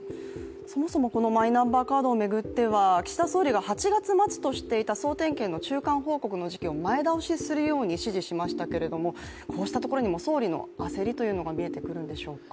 そもそもマイナンバーカードを巡っては岸田総理が８月末としていた総点検の中間報告の時期を前倒しするように指示しましたけれどもこうしたところにも総理の焦りというのが見えてくるんでしょうか。